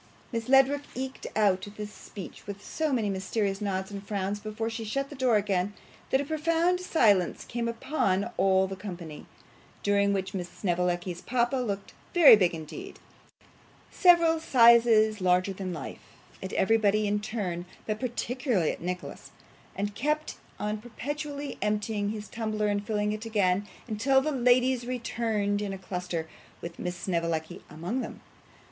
Miss Ledrook eked out this speech with so many mysterious nods and frowns before she shut the door again, that a profound silence came upon all the company, during which Miss Snevellicci's papa looked very big indeed several sizes larger than life at everybody in turn, but particularly at Nicholas, and kept on perpetually emptying his tumbler and filling it again, until the ladies returned in a cluster, with Miss Snevellicci among them.